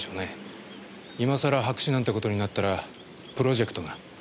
今さら白紙なんてことになったらプロジェクトが。